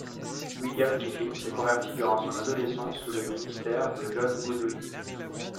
William Kiffin s'est converti durant son adolescence sous le ministère de John Goodwin.